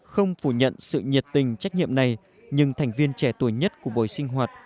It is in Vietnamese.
không phủ nhận sự nhiệt tình trách nhiệm này nhưng thành viên trẻ tuổi nhất của buổi sinh hoạt